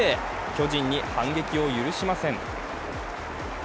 巨人に反撃を許しません。